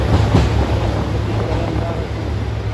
مينٚ مزوري ڪرين جآرو ڇو